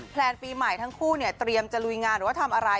แลนปีใหม่ทั้งคู่เนี่ยเตรียมจะลุยงานหรือว่าทำอะไร